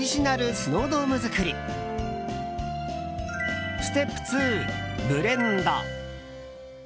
ステップ２、ブレンド。